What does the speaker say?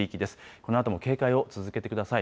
このあとも警戒を続けてください。